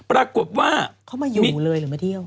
ปรากฏว่าเขามาอยู่เลยหรือมาเที่ยว